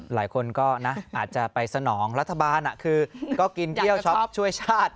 หลายคนก็นะอาจจะไปสนองรัฐบาลคือก็กินเที่ยวช็อปช่วยชาติ